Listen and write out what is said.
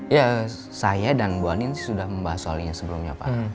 ya saya dan bu anin sudah membahas soalnya sebelumnya pak